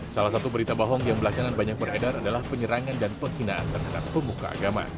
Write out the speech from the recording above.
salah satu berita bohong yang belakangan banyak beredar adalah penyerangan dan penghinaan terhadap pemuka agama